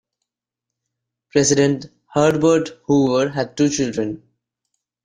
President Herbert Hoover had two children.